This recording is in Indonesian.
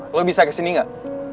lo bisa kesini gak